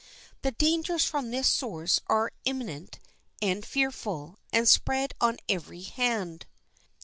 The dangers from this source are imminent and fearful, and spread on every hand.